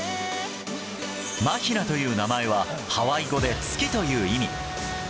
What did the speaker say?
マヒナという名前はハワイ語で、月という意味。